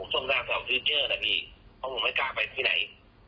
ตอนนี้พี่เกิดใจเหน้ย